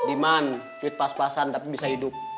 diman fit pas pasan tapi bisa hidup